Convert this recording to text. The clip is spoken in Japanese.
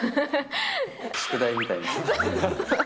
宿題みたい。